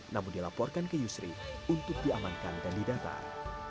namun dilaporkan ke yusri untuk diamankan dan didaftar